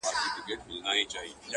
ښکار تازي کوي، خوشالي کوټه کوي.